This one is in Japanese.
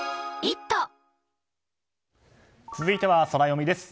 続いてはソラよみです。